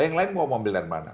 yang lain mau mobil dari mana